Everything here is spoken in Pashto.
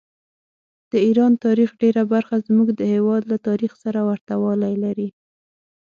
د ایران تاریخ ډېره برخه زموږ د هېواد له تاریخ سره ورته والي لري.